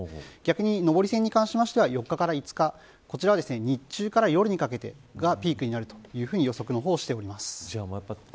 逆に上り線に関しては４日から５日こちらは日中から夜にかけてがピークになるというふうに予測をしています。